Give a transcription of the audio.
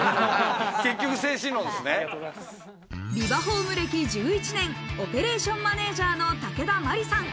ビバホーム歴１１年、オペレーションマネジャーの武田真里さん。